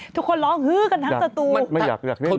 ทุกคนร้องฮือกันทั้งสตู